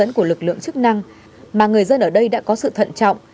hướng dẫn của lực lượng chức năng mà người dân ở đây đã có sự thận trọng